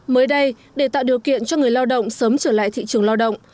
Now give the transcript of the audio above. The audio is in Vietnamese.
mới đây để tạo điều kiện cho người lao động sớm trở lại thị trường lao động